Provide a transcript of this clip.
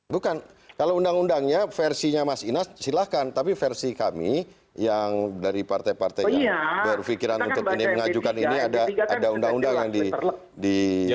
bukan kalau undang undangnya versinya mas inas silahkan tapi versi kami yang dari partai partai yang berpikiran untuk ini mengajukan ini ada undang undang yang dibuat